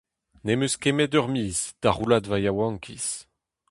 Ne'm eus ket ken met ur miz, Da roulat ma yaouankiz…